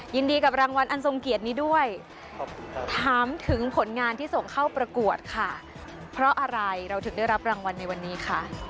ยินดีกับรางวัลอันทรงเกียรตินี้ด้วยถามถึงผลงานที่ส่งเข้าประกวดค่ะเพราะอะไรเราถึงได้รับรางวัลในวันนี้ค่ะ